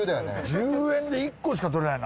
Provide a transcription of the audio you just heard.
１０円で１個しか取れないの？